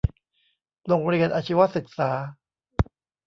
โรงเรียนอาชีวศึกษา